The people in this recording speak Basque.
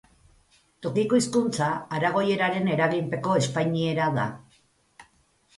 Tokiko hizkuntza aragoieraren eraginpeko espainiera da.